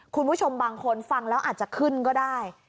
คุณผู้ชมบางคนฟังแล้วอาจจะขึ้นก็ได้